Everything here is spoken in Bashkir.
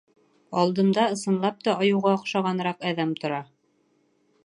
Алдымда, ысынлап та, айыуға оҡшағаныраҡ әҙәм тора.